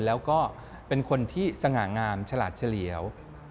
แล้วก็เป็นคนที่สง่างามฉลาดเฉลี่ยว